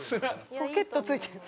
ポケットついてる。